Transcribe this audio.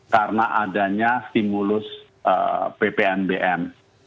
karena adanya stimulus ppnbm